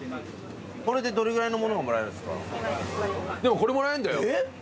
これもらえんだよ。